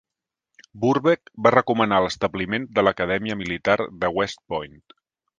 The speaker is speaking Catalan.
Burbeck va recomanar l'establiment de l'acadèmia militar de West Point.